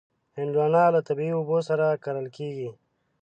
هندوانه له طبعي اوبو سره کرل کېږي.